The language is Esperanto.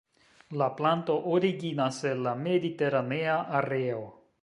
La planto originas el la mediteranea areo.